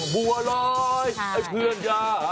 บัวลอยไอ้เพื่อนย่า